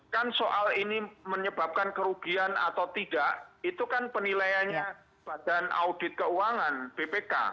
kan soal ini menyebabkan kerugian atau tidak itu kan penilaiannya badan audit keuangan bpk